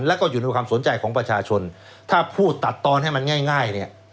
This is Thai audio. แล้วก็อยู่ในความสนใจของประชาชนถ้าพูดตัดตอนให้มันง่ายเนี่ย